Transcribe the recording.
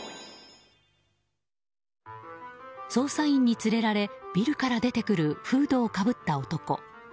捜査員に連れられビルから出てくるフードをかぶった男。